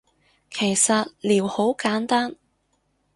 其實撩好簡單